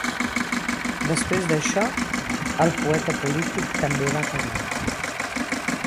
Després d'això, el poeta polític també va callar.